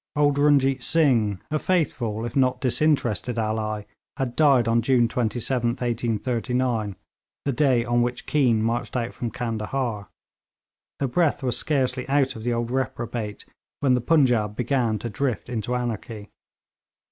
Old Runjeet Singh, a faithful if not disinterested ally, had died on June 27th, 1839, the day on which Keane marched out from Candahar. The breath was scarcely out of the old reprobate when the Punjaub began to drift into anarchy.